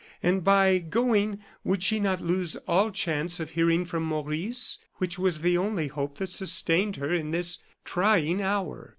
And by going, would she not lose all chance of hearing from Maurice, which was the only hope that sustained her in this trying hour?